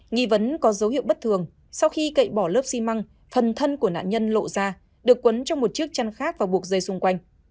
nghi vấn có dấu hiệu bất thường sau khi cậy bỏ lớp xi măng thần thân của nạn nhân lộ ra được quấn trong một chiếc chăn khác và buộc dây xung quanh